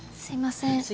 すいません。